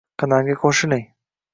Kanalga qo'shiling: